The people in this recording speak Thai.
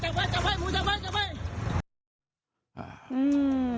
จับไว้จับไว้จับไว้จับไว้